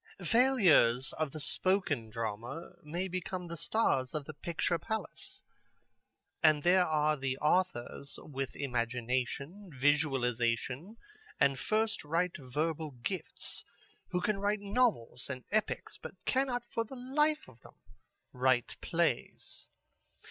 "Failures of the spoken drama may become the stars of the picture palace. And there are the authors with imagination, visualization and first rate verbal gifts who can write novels and epics, but cannot for the life of them write plays.